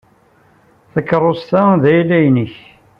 Takeṛṛust-a d ayla-nnek.